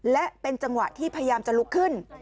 และเป็นจังหวะที่พยายามจะลุกขึ้น